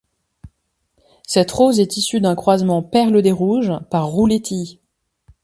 Cette rose est issue d'un croisement 'Perle des Rouges' x 'Rouletii'.